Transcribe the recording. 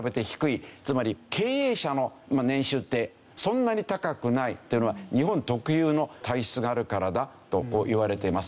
つまり経営者の年収ってそんなに高くないっていうのは日本特有の体質があるからだとこう言われています。